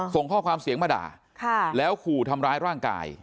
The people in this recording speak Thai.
ส่งข้อความเสียงมาด่าแล้วขู่ทำร้ายร่างกาย